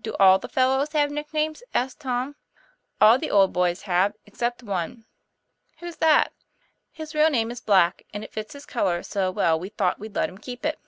"Do all the fellows have nicknames?" asked Tom. ;' All the old boys have, except one." "Who's that?" " His real name is Black, and it fits his color so well we thought we'd let him keep it."